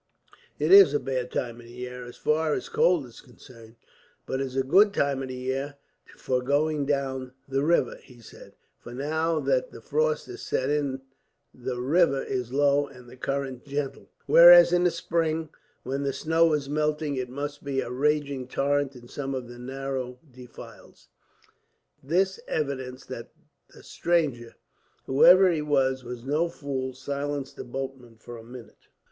"It is a bad time of the year, as far as cold is concerned; but it is a good time of the year for going down the river," he said; "for now that the frost has set in the river is low and the current gentle, whereas in the spring, when the snow is melting, it must be a raging torrent in some of the narrow defiles." This evidence that the stranger, whoever he was, was no fool, silenced the boatmen for a minute.